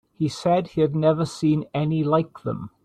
He said he had never seen any like them.